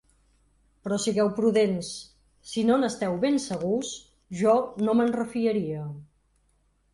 Però sigueu prudents: si no n’esteu ben segurs, jo no men refiaria.